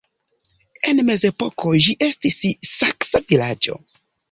En mezepoko ĝi estis saksa vilaĝo.